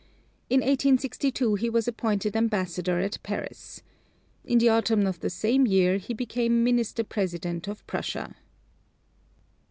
In 1862 he was appointed ambassador at Paris. In the autumn of the same year he became Minister President of Prussia.